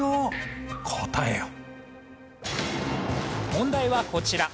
問題はこちら。